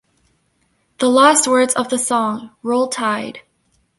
The last words of the song, Roll Tide!